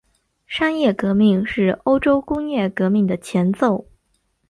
商业革命是欧洲工业革命的前奏。